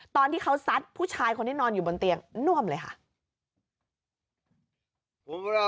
ตอนที่เขาซัดผู้ชายคนที่นอนอยู่บนเตียงน่วมเลยค่ะ